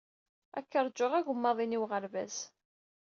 Ad k-ṛjuɣ agemmaḍ-in i uɣerbaz.